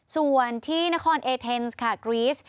ส่วนที่นครเอเทนส์ค่ะกรีส